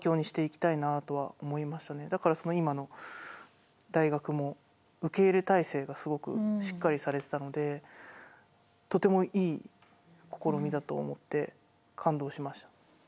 だからその今の大学も受け入れ態勢がすごくしっかりされてたのでとてもいい試みだと思って感動しました。